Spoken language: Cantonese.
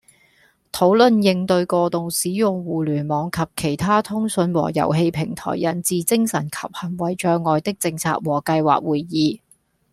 「討論應對過度使用互聯網及其他通訊和遊戲平台引致精神及行為障礙的政策和計劃」會議